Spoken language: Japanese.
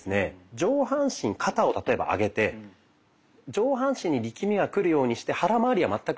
上半身肩を例えば上げて上半身に力みがくるようにして腹まわりは全く力を入れない。